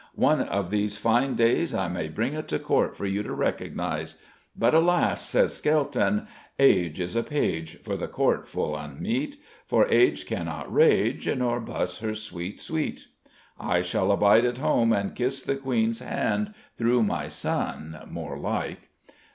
One of these fine days I may bring it to Court for you to recognise: but, alas! says Skelton Age is a page For the Court full unmeet, For age cannot rage Nor buss her sweet sweet. I shall bide at home and kiss the Queen's hand, through my son, more like."